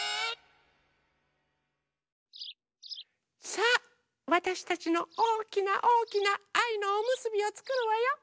さあわたしたちのおおきなおおきなあいのおむすびをつくるわよ。